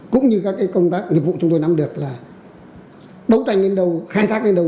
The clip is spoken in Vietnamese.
cũng như các công tác nhiệm vụ chúng tôi nắm được là đấu tranh lên đầu khai thác lên đầu